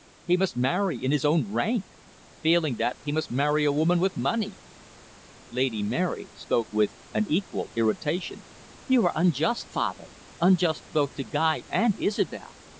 He must marry in his own rank. Failing that, he must marry a woman with money." Lady Mary spoke with an equal irritation. "You are unjust, father, unjust both to Guy and Isobel.